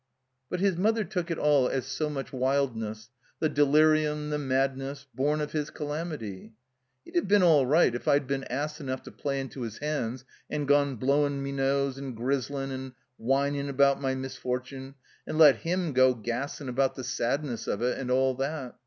But his mother took it all as so much wildness, the delirium, the madness, bom of his calamity, "He'd have been all right if I'd been ass enough to play into his hands and gone blowin' me nose and grizzlin', and whinin' about my misfortune, and let him go gassin' about the sadness of it and aU that.